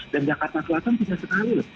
dan jakarta selatan tidak sekali